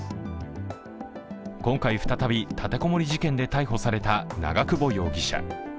今回、再び、立て籠もり事件で逮捕された長久保容疑者。